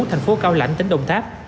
thành phố cao lạnh tỉnh đồng tháp